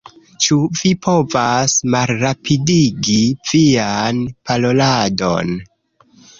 "Ĉu vi povas malrapidigi vian paroladon?"